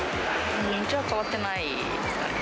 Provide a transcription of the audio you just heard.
うちは変わってないですかね。